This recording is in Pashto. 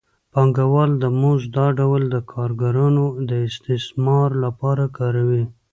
پانګوال د مزد دا ډول د کارګرانو د استثمار لپاره کاروي